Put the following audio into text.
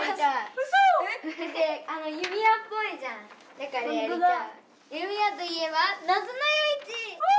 だからやりたい。